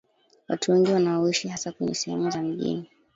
watu wengi wanaoishi hasa kwenye sehemu za mijini